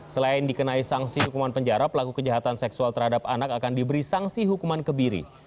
selain dikenai sanksi hukuman penjara pelaku kejahatan seksual terhadap anak akan diberi sanksi hukuman kebiri